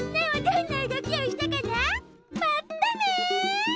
まったね。